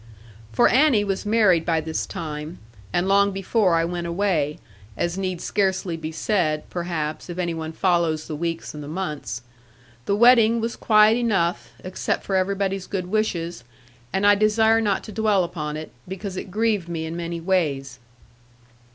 For Annie was married by this time, and long before I went away; as need scarcely be said, perhaps; if any one follows the weeks and the months. The wedding was quiet enough, except for everybody's good wishes; and I desire not to dwell upon it, because it grieved me in many ways.